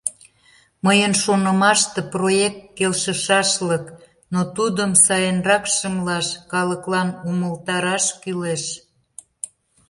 Мыйын шонымаште, проект келшышашлык, но тудым сайынрак шымлаш, калыклан умылтараш кӱлеш.